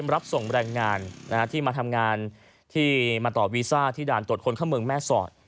รับส่งแรงงานมาต่อวีซ่าที่ด่านตรวจคลนข้างเมืองแม่ศอด